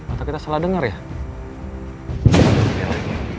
atau kita salah dengar ya